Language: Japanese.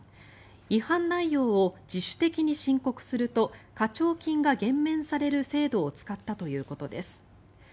違反内容を自主的に申告すると課徴金が減免される制度を使ったということです。